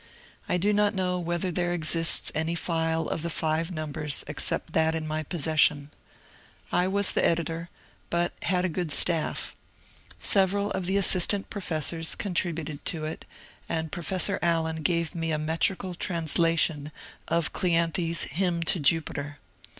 I do not know whether there exists any file of the five numbers except that in my possession. I was the editor, but had a good staff. Several of the assistant professors contributed to it, and Pro fessor Allen gave me a metrical translation of Cleanthes' Hymn to Jupiter.